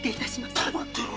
黙っていろ